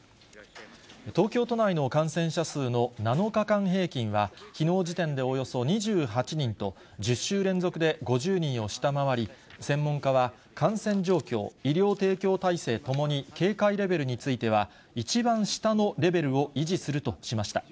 東京都内の感染者数の７日間平均はきのう時点でおよそ２８人と、１０週連続で５０人を下回り、専門家は、感染状況、医療提供体制ともに警戒レベルについては一番下のレベルを維持するとしました。